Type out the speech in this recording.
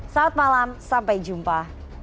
selamat malam sampai jumpa